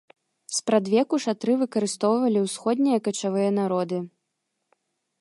Спрадвеку шатры выкарыстоўвалі ўсходнія качавыя народы.